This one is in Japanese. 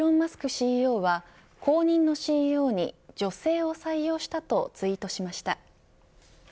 ＣＥＯは後任のＣＥＯに女性を採用したとツイートしました。